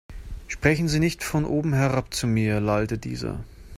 Sprechen Sie nicht von oben herab zu mir, lallte dieser.